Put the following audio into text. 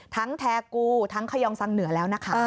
ทั้งแทรกูทั้งเขยองซังเหนือแล้วนะคะ